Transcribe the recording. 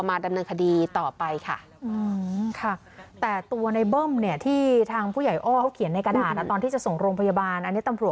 มาดำเนินคดีต่อไปค่ะค่ะแต่ตัวในเบิ้มเนี่ยที่ทางผู้ใหญ่อ้อเขาเขียนในกระดาษละตอนที่จะส่งลงพยาบาลอันนี้ตำหนด